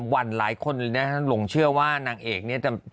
วันหลายคนเลยนะหลงเชื่อว่านางเอกเนี่ยจะ